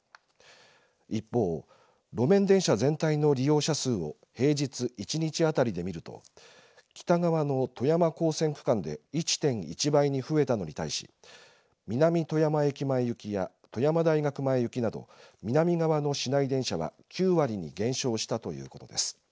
一方路面電車全体の利用者数を平日１日当たりで見ると北側の富山港線区間で１．１倍に増えたのに対し南富山駅前行きや富山大学前行きなど南側の市内電車は９割に減少したということです。